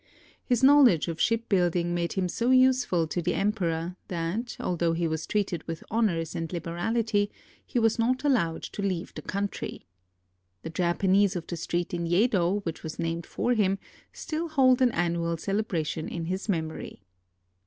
His knowledge of shipbuilding made him so useful to the emperor that, although he was treated with honors and liberality, he was not allowed to leave the country. The Japanese of the street in Yedo which was named for him still hold an annual celebration in his memory.